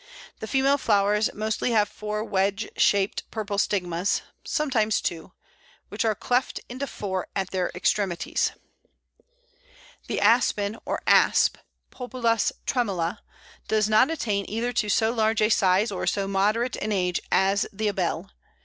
The female flowers mostly have four wedge shaped purple stigmas (sometimes two), which are cleft into four at their extremities. [Illustration: Aspen.] The Aspen or Asp (Populus tremula) does not attain either to so large a size or so moderate an age as the Abele.